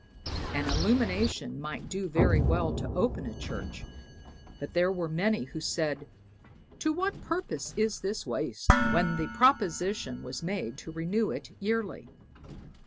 An illumination might do very well to open a church, but there were many who said "to what purpose is this waste?" when the proposition was made to renew it yearly.